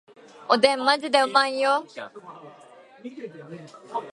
おでんマジでうまいよ